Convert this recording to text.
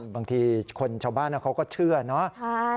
บางทีคนชาวบ้านเขาก็เชื่อเนาะ